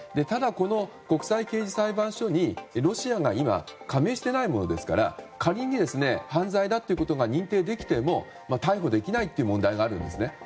ただこの国際刑事裁判所にロシアが今加盟していないものですから仮に犯罪だということが認定できても逮捕できないという問題があるんですね。